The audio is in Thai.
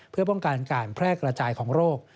เพื่อป้องกันการแพร่กระจายของโรค